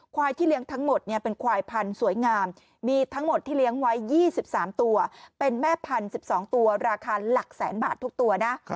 ที่เลี้ยงทั้งหมดเป็นควายพันธุ์สวยงามมีทั้งหมดที่เลี้ยงไว้๒๓ตัวเป็นแม่พันธุ์๑๒ตัวราคาหลักแสนบาททุกตัวนะ